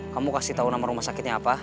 kamu kasih tahu nama rumah sakitnya apa